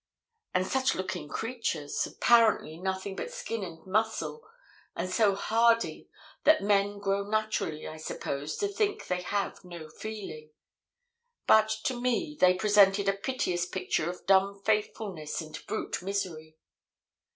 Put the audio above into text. And such looking creatures! apparently nothing but skin and muscle, and so hardy that men grow naturally, I suppose, to think they have no feeling. But to me they presented a piteous picture of dumb faithfulness and brute misery.